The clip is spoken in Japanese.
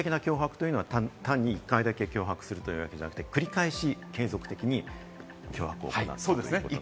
常習的な脅迫というのは、１回だけ脅迫するということではなくて繰り返し継続的にということですね。